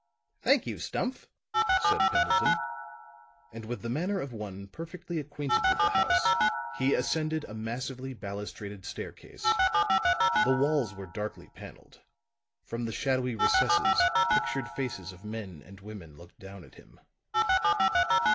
"Thank you, Stumph," said Pendleton. And with the manner of one perfectly acquainted with the house, he ascended a massively balustraded staircase. The walls were darkly paneled; from the shadowy recesses pictured faces of men and women looked down at him.